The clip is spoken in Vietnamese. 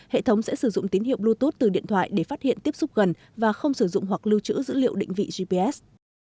hệ thống sẽ sử dụng tín hiệu bluetooth từ điện thoại để phát hiện tiếp xúc gần và không sử dụng hoặc lưu trữ dữ liệu định vị gps